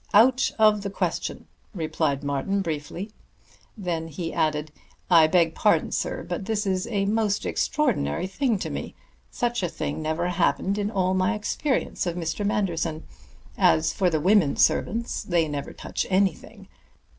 "Out of the question," replied Martin briefly. Then he added: "I beg pardon, sir, but this is a most extraordinary thing to me. Such a thing never happened in all my experience of Mr. Manderson. As for the women servants, they never touch anything.